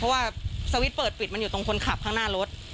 เพราะว่าสวิตช์เปิดปิดมันอยู่ตรงคนขับข้างหน้ารถ